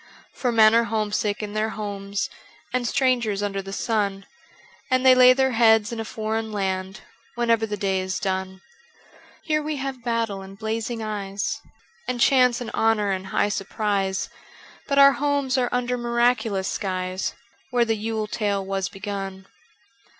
For men are homesick in their homes, And strangers under the sun, And they lay their heads in a foreign land Whenever the day is done. Here we have battle and blazing eyes, And chance and honour and high surprise, But our homes are under miraculous skies Where the Yule tale was begun.